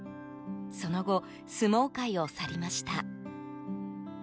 その後、相撲界を去りました。